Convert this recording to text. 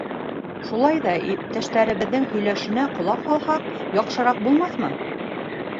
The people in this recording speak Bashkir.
Шулай ҙа иптәштәребеҙҙең һөйләшенә ҡолаҡ һалһаҡ, яҡшыраҡ булмаҫмы?